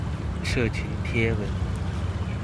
社群貼文